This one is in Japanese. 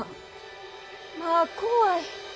まぁ怖い。